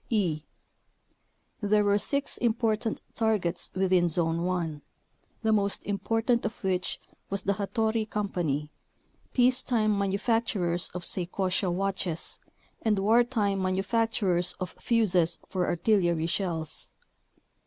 e. There were six important targets within Zone 1, the most important of which was the Hattori Co., peacetime manufacturers of Sei kosha watches, and wartime manufacturers of fuzes for artillery shells.